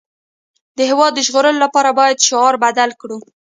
د هېواد د ژغورلو لپاره باید شعار بدل کړو